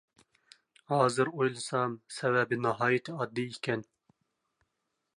ھازىر ئويلىسام سەۋەبى ناھايىتى ئاددىي ئىكەن.